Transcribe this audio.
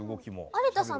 有田さん